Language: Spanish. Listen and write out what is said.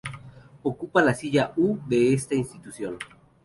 Ocupa la silla U, de esta institución.